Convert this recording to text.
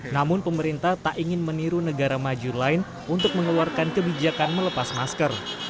namun pemerintah tak ingin meniru negara maju lain untuk mengeluarkan kebijakan melepas masker